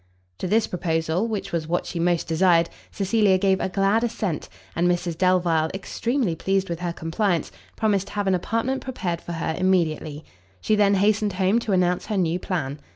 To this proposal, which was what she most desired, Cecilia gave a glad assent; and Mrs Delvile, extremely pleased with her compliance, promised to have an apartment prepared for her immediately. She then hastened home, to announce her new plan.